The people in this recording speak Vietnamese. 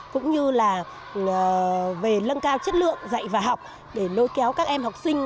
cũng như là về lân cao chất lượng dạy và học để lôi kéo các em học sinh